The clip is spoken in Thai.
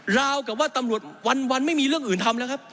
ราวกับว่าตำรวจวันไม่มีเรื่องอื่นทำแล้วครับ